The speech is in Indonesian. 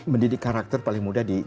mendidik karakter paling muda di